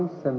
dan satu usd